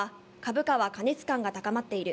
市場関係者は、株価は過熱感が高まっている。